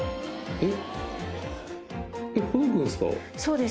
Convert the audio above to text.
えっ！？